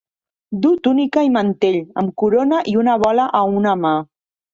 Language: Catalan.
Duu túnica i mantell, amb corona i una bola a una mà.